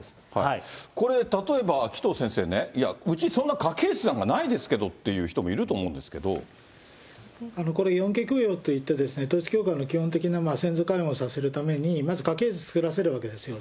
これ、例えば紀藤先生ね、うち、そんな家系図なんかないですけどっていう人もいると思うんでこれ、４系供養といって、統一教会の基本的な先祖解怨させるために、まず家系図、作らせるわけですよ。